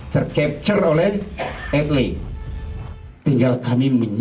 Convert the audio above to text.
gulungan kelainan juga dikaitkan